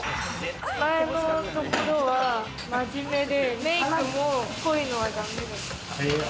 前のところは真面目で、メイクも濃いのは駄目で。